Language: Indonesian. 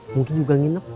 mungkin juga nginep